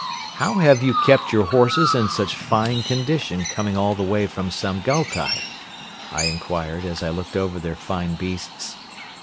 "How have you kept your horses in such fine condition coming all the way from Samgaltai?" I inquired as I looked over their fine beasts.